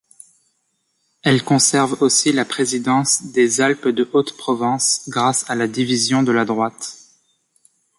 Elle conserve aussi la présidence des Alpes-de-Haute-Provence grâce à la division de la droite.